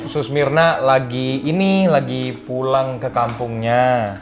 susmirna lagi ini lagi pulang ke kampungnya